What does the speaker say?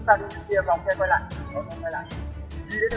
đây đây đối tượng đi đằng trước vòng rồi rồi chúng ta đi